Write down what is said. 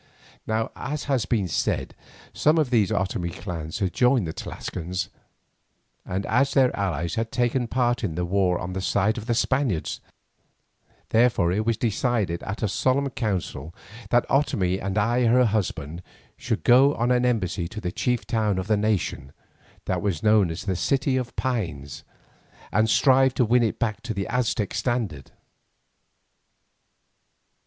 Now as has been said, some of these Otomie clans had joined the Tlascalans, and as their allies had taken part in the war on the side of the Spaniards, therefore it was decided at a solemn council that Otomie and I her husband should go on an embassy to the chief town of the nation, that was known as the City of Pines, and strive to win it back to the Aztec standard.